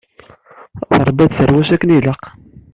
Trebba tarwa-s akken ilaq.